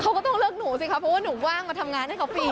เขาก็ต้องเลือกหนูสิครับเพราะว่าหนูว่างมาทำงานให้เขาฟรี